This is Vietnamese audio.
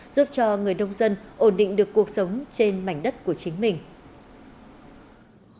giúp cho người nông dân ổn định được cuộc sống trên mảnh đất của chính mình